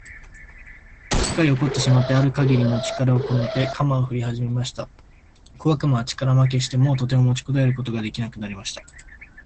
すっかり怒ってしまってある限りの力をこめて、鎌をふりはじました。小悪魔は力負けして、もうとても持ちこたえることが出来なくなりました。